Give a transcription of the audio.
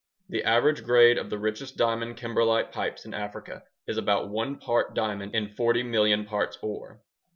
The average grade of the richest diamond kimberlite pipes in Africa is about 1 part diamond in 40 million parts ŌĆ£ore.